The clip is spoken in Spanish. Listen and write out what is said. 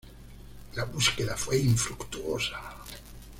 La búsqueda fue infructuosa.